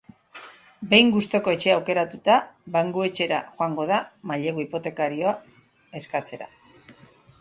Behin gustoko etxea aukeratuta, bankuetxera joango da mailegu hipotekarioa eskatzera.